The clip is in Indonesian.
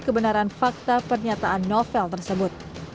kebenaran fakta pernyataan novel tersebut